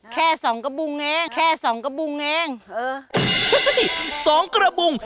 แค่สองกระบุงเองแค่สองกระบุงเองเออสองกระบุง